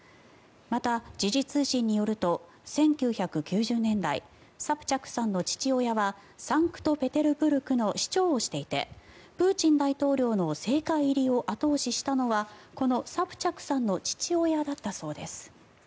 また、時事通信によると１９９０年代サプチャクさんの父親はサンクトペテルブルクの市長をしていてプーチン大統領の政界入りを後押ししたのはこのサプチャクさんの父親だったそうです。